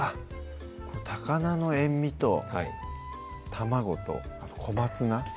高菜の塩味と卵とあと小松菜